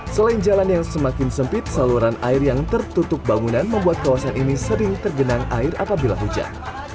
selain jalan yang semakin sempit saluran air yang tertutup bangunan membuat kawasan ini sering tergenang air apabila hujan